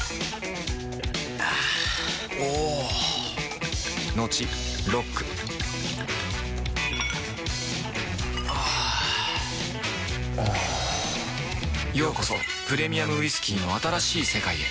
あぁおぉトクトクあぁおぉようこそプレミアムウイスキーの新しい世界へ